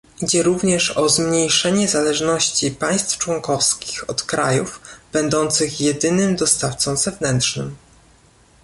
Idzie również o zmniejszenie zależności państw członkowskich od krajów będących jedynym dostawcą zewnętrznym